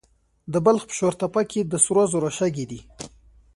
د بلخ په شورتپه کې د سرو زرو شګې دي.